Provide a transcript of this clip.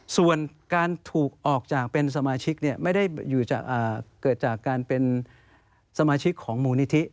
ส่วนการถูกออกจากเป็นสมาชิกไม่ได้เกิดจากการเป็นสมาชิกของมูลนิธิ